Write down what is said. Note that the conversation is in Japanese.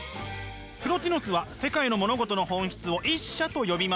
プロティノスは世界の物事の本質を「一者」と呼びました。